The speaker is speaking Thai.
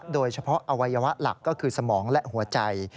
โดยเฉพาะอวัยวะหลักก็คือสมองและหัวใจ